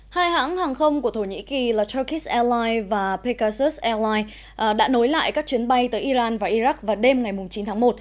hai hãng hàng không của thổ nhĩ kỳ là turkis airlines và pegasus airlines đã nối lại các chuyến bay tới iran và iraq vào đêm ngày chín tháng một